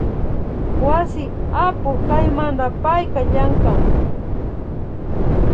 Wasi apuk kaymanta payka llankan